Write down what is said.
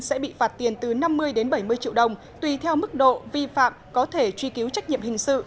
sẽ bị phạt tiền từ năm mươi đến bảy mươi triệu đồng tùy theo mức độ vi phạm có thể truy cứu trách nhiệm hình sự